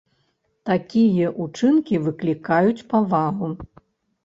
Такія ўчынкі выклікаюць павагу.